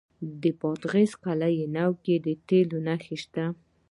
د بادغیس په قلعه نو کې د تیلو نښې شته.